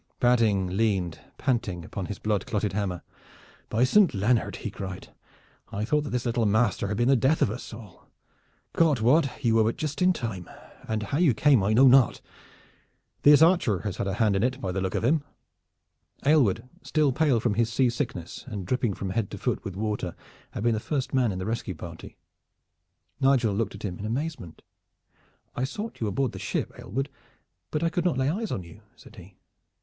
Badding leaned panting upon his blood clotted hammer. "By Saint Leonard!" he cried, "I thought that this little master had been the death of us all. God wot you were but just in time, and how you came I know not. This archer has had a hand in it, by the look of him." Aylward, still pale from his seasickness and dripping from head to foot with water, had been the first man in the rescue party. Nigel looked at him in amazement. "I sought you aboard the ship, Aylward, but I could not lay eyes on you," said he.